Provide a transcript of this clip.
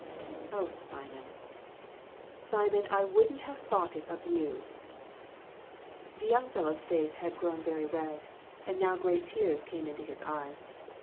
Oh, Simon, Simon, I wouldn't have thought it of you !" The young fellow's face had grown very red, and now great tears came into his eyes.